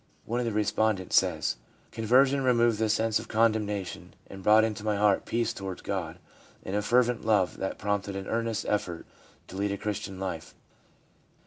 One of the respondents says :' Conversion removed the sense of condemnation, and brought into my heart peace toward God and a fervent love that prompted an earnest effort to lead a Christian life.